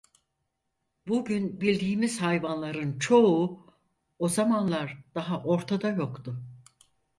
Bugün bildiğimiz hayvanların çoğu o zamanlar daha ortada yoktu.